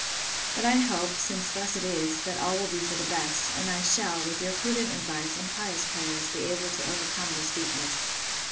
But I hope, since thus it is, that all will be for the best; and I shall, with your prudent advice, and pious prayers, be able to overcome this weakness.